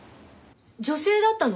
女性だったの？